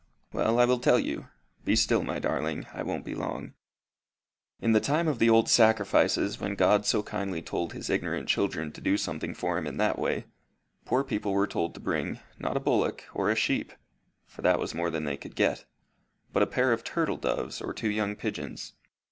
"Well, I will tell you. Be still, my darling, I won't be long. In the time of the old sacrifices, when God so kindly told his ignorant children to do something for him in that way, poor people were told to bring, not a bullock or a sheep, for that was more than they could get, but a pair of turtledoves, or two young pigeons.